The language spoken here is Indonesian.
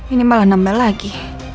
ini malah nambah lagi